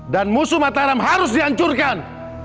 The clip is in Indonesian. dan musuh mataram harus dihancurkan